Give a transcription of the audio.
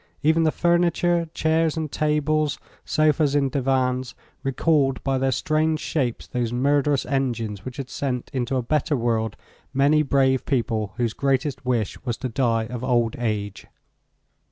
Even the furniture, chairs and tables, sofas and divans, recalled by their strange shapes those murderous engines which had sent into a better world many brave people whose greatest wish was to die of old age.